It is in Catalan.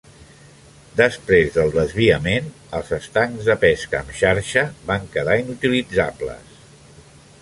Després del desviament, els estancs de pesca amb xarxa van quedar inutilitzables.